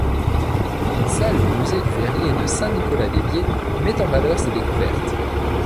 Une salle du musée du Verrier de Saint-Nicolas-des-Biefs met en valeur ses découvertes.